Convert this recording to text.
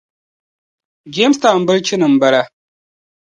Jamestown bilichini m-bala